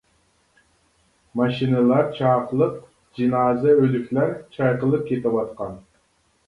ماشىنىلار چاقلىق جىنازا ئۆلۈكلەر چايقىلىپ كېتىۋاتقان.